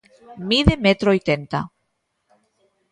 Mide metro oitenta.